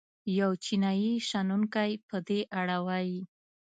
یو چینايي شنونکی په دې اړه وايي.